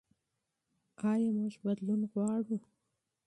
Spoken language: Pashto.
ایا موږ بدلون غواړو؟